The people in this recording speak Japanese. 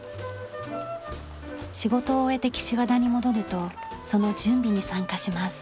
仕事を終えて岸和田に戻るとその準備に参加します。